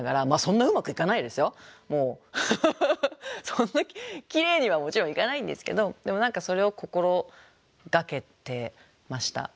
そんなきれいにはもちろんいかないんですけどでも何かそれを心がけてました。